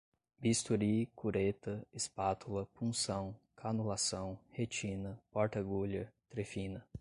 bisturi, cureta, espátula, punção, canulação, retina, porta-agulha, trefina